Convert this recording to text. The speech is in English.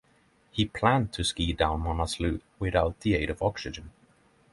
He planned to ski down Manaslu without the aid of oxygen.